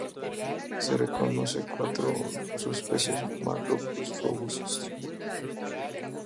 Se reconocen cuatro subespecies "Macropus robustus".